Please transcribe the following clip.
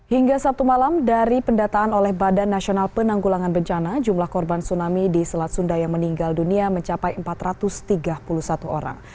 hingga sabtu malam dari pendataan oleh badan nasional penanggulangan bencana jumlah korban tsunami di selat sunda yang meninggal dunia mencapai empat ratus tiga puluh satu orang